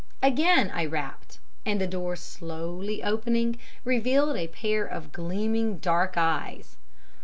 Again I rapped, and the door slowly opening revealed a pair of gleaming, dark eyes.